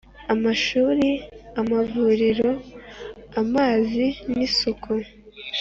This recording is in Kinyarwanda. Amashuri, amavuriro , amazi n’isuku